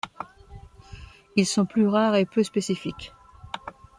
Ils sont plus rares et peu spécifiques.